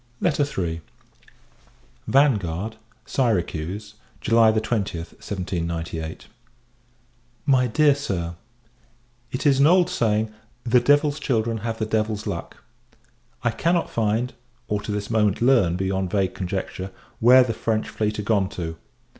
III. Vanguard, Syracuse, July 20th, 1798. MY DEAR SIR, It is an old saying, "The devil's children have the devil's luck." I cannot find or, to this moment learn, beyond vague conjecture where the French fleet are gone to.